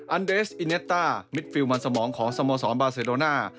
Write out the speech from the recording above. อันเดสอิเนสต้ามิดฟิลมันสมองของสโมสรบาเซโรน่า